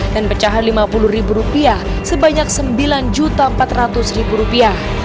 dan pecahan lima puluh rupiah sebanyak sembilan juta rupiah